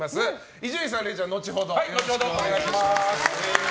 伊集院さん、れいちゃんは後ほどよろしくお願いいたします。